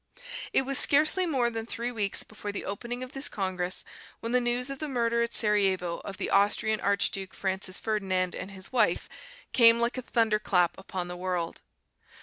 It was scarcely more than three weeks before the opening of this congress when the news of the murder at Serajevo of the Austrian Archduke Francis Ferdinand and his wife came like a thunder clap upon the world.